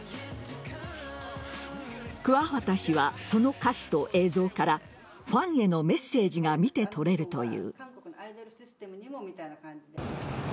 桑畑氏は、その歌詞と映像からファンへのメッセージが見て取れるという。